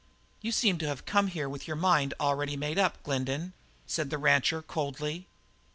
"You seem to have come with your mind already made up, Glendin," said the rancher coldly.